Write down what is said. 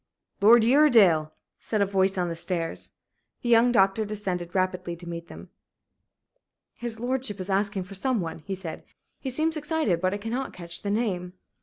"Lord Uredale!" said a voice on the stairs. The young doctor descended rapidly to meet them. "His lordship is asking for some one," he said. "He seems excited. But I cannot catch the name."